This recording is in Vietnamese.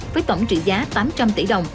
với tổng trị giá tám trăm linh tỷ đồng